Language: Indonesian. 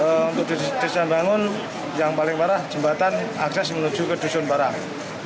untuk desa bangun yang paling parah jembatan akses menuju ke dusun barang